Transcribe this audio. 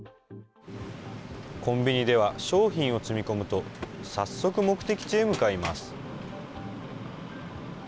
コンビニでは商品を積み込むと、早速、目的地へ向かいます。